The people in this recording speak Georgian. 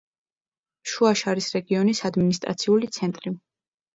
შუა შარის რეგიონის ადმინისტრაციული ცენტრი.